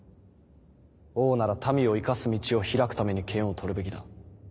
王なら民を生かす道を開くために剣を取るべきだ。